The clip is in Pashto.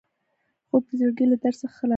خوب د زړګي له درد څخه خلاصون دی